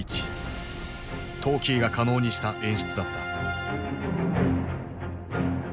トーキーが可能にした演出だった。